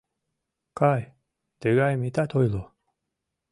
Кай, тыгайым итат ойло.